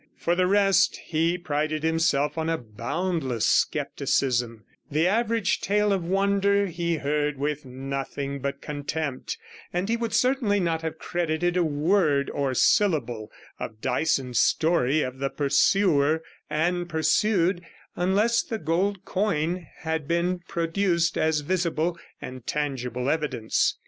For the rest, he prided himself on a boundless scepticism; the average tale of wonder he heard with nothing but contempt, and he would certainly not have credited a word or syllable of Dyson's story of the pursuer and pursued, unless the gold coin had been produced as visible and tangible evidence.